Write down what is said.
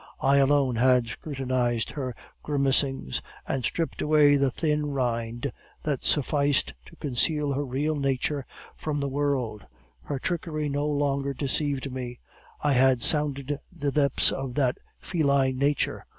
I alone had scrutinized her grimacings, and stripped away the thin rind that sufficed to conceal her real nature from the world; her trickery no longer deceived me; I had sounded the depths of that feline nature.